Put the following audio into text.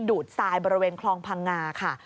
ดูดทรายบริเวณคลองพังงาค่ะ